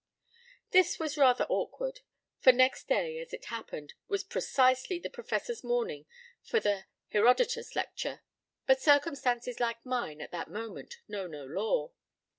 p> This was rather awkward; for next day, as it happened, was precisely the Professor's morning for the Herodotus lecture; but circumstances like mine at that moment know no law.